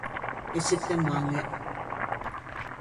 E settemañe.